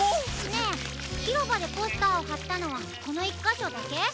ねえひろばでポスターをはったのはこのいっかしょだけ？